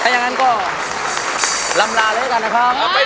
แล้วก็ลำราเรื่องสักทีนี้กันนะครับ